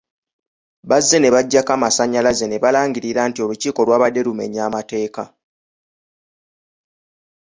Bazze nebaggyako amasannyalaze ne balangirira nti olukiiko lwabadde lumenya amateeka.